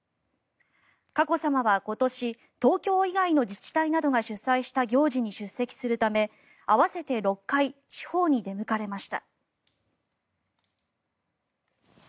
佳子さまは今年東京以外の自治体などが主催した行事に出席するため合わせて６回地方に出向かれました。